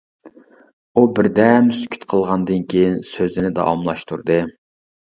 ئۇ بىر دەم سۈكۈت قىلغاندىن كېيىن سۆزىنى داۋاملاشتۇردى.